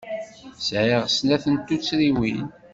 Sɛiɣ snat n tuttriwin.